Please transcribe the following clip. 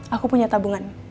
aku punya tabungan